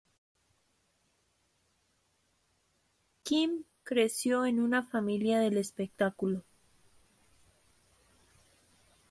Kim creció en una familia del espectáculo.